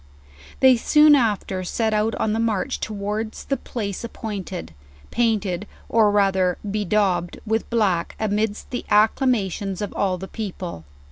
They goon after set out on the march towards the place appointed, painted or rather bedaubed with black, amidst the acclama tions of all the people.